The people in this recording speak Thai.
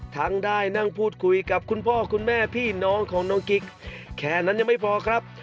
ทั้งได้นั่งพูดคุยกับคุณพ่อคุณแม่พี่น้องของน้องกิ๊กแค่นั้นยังไม่พอครับ